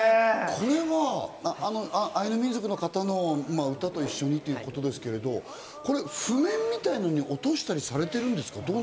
これはアイヌ民族の方の歌と一緒にということですけれども、譜面みたいなものに落としたりされてるんですか？